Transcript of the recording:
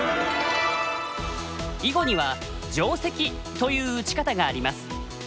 囲碁には定石という打ち方があります。